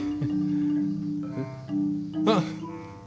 あっ！